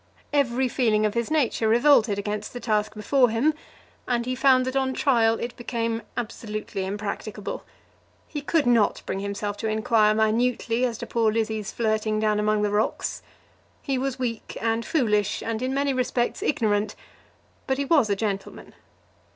Every feeling of his nature revolted against the task before him, and he found that on trial it became absolutely impracticable. He could not bring himself to inquire minutely as to poor Lizzie's flirting down among the rocks. He was weak, and foolish, and in many respects ignorant, but he was a gentleman.